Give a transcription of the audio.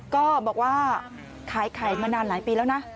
ก็บอกว่าขายไข่มานานหลายปีแล้วนะ